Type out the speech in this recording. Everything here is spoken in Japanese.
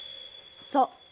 そう。